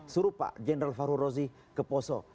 suruh pak jendral farurozi ke poso